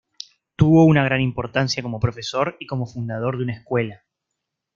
Tuvo una gran importancia como profesor y como fundador de una escuela.